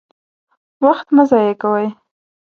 وخت مه ضايع کوئ!